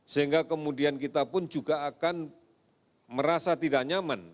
sehingga kemudian kita pun juga akan merasa tidak nyaman